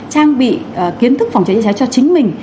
trang bị kiến thức phòng cháy cháy cho chính mình